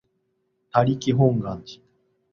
他力本願寺